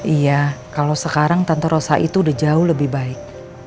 iya kalau sekarang tantorosa itu udah jauh lebih baik